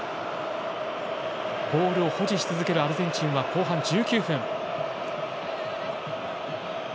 ボールを保持し続けるアルゼンチンは後半１９分。